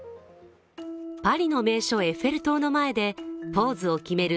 パリの名所・エッフェル塔の前でポーズを決める